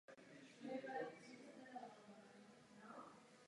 Místo výstavby podjednotky může být navíc odlišné od místa jejího výskytu.